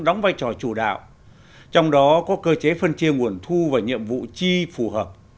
đóng vai trò chủ đạo trong đó có cơ chế phân chia nguồn thu và nhiệm vụ chi phù hợp